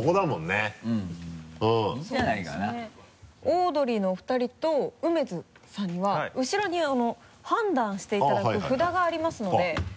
オードリーのお二人と梅津さんには後ろに判断していただく札がありますので。